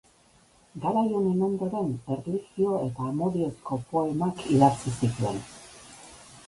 Garai honen ondoren, erlijio eta amodiozko poemak idatzi zituen.